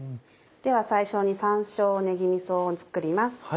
では最初に山椒ねぎみそを作ります。